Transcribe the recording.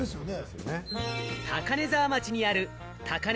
高根沢町にある、たかね